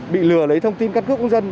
bị lừa lấy thông tin căn cước công dân